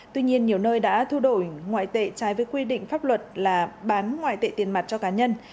tuy nhiên nhiều nơi đã thu đổi ngoại tệ trái với quy định pháp luật là bán ngoại tệ tiền mặt cho cá nhân